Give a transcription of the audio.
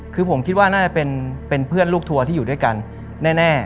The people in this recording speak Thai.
คือผมคิดว่าน่าจะเป็นเพื่อนลูกทัวร์ที่อยู่ด้วยกันแน่